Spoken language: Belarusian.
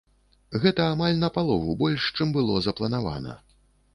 Гэта амаль на палову больш, чым было запланавана.